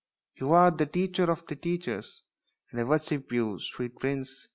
" You are the teacher of your teachers, and I worship you, sweet Prince.